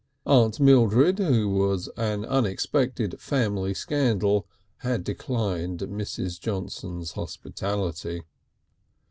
(Aunt Mildred, who was an unexplained family scandal, had declined Mrs. Johnson's hospitality.)